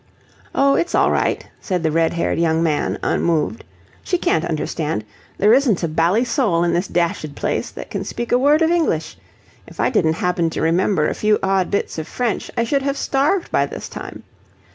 "Oh, it's all right," said the red haired young man, unmoved. "She can't understand. There isn't a bally soul in this dashed place that can speak a word of English. If I didn't happen to remember a few odd bits of French, I should have starved by this time.